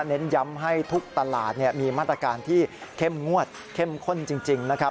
เน้นย้ำให้ทุกตลาดมีมาตรการที่เข้มงวดเข้มข้นจริงนะครับ